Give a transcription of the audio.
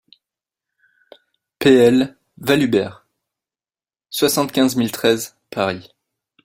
PL VALHUBERT, soixante-quinze mille treize Paris